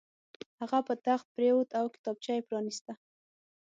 هغه په تخت پرېوت او کتابچه یې پرانیسته